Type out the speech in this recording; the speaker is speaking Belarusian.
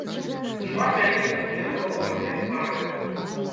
Шмат вялікіх будынкаў, вады, паркаў.